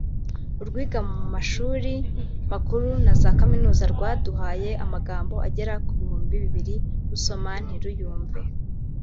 urwiga mu mashuri makuru na za kaminuza rwaduhaye amagambo agera ku bihumbi bibiri rusoma ntiruyumve